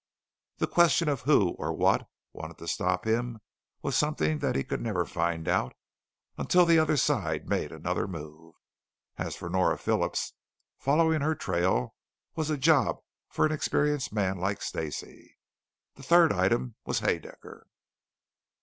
The question of who or what wanted to stop him was something that he could never find out until the other side made another move. As for Nora Phillips, following her trail was a job for an experienced man like Stacey. The third item was Haedaecker.